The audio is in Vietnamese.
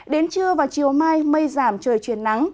đến trưa và chiều mai mây giảm trời chuyển nắng